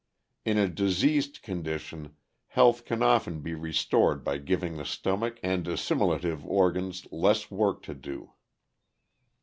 In a diseased condition health can often be restored by giving the stomach and assimilative organs less work to do.